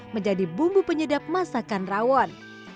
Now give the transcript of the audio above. menjadi bumbu penyedap masakan rawon